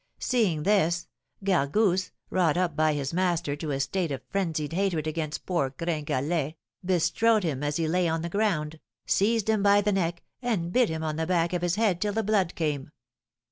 Seeing this, Gargousse, wrought up by his master to a state of frenzied hatred against poor Gringalet, bestrode him as he lay on the ground, seized him by the neck, and bit him on the back of his head till the blood came.